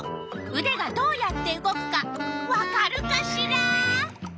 うでがどうやって動くかわかるかしら？